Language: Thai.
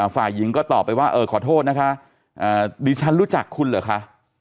ฝ่ายหญิงก็ตอบไปว่าเออขอโทษนะคะดิฉันรู้จักคุณเหรอคะ